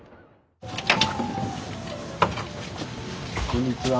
こんにちは。